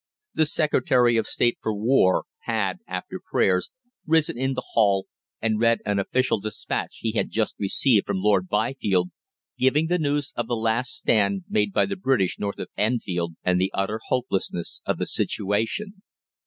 The Secretary of State for War had, after prayers, risen in the hall and read an official despatch he had just received from Lord Byfield, giving the news of the last stand made by the British north of Enfield, and the utter hopelessness of the situation.